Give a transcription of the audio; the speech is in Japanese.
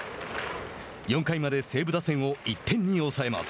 ４回まで西武打線を１点に抑えます。